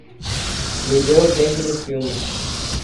Me dê o tempo do filme